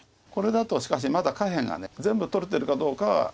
これだとしかしまだ下辺が全部取れてるかどうかは。